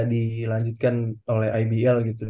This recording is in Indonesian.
dilanjutkan oleh ibl gitu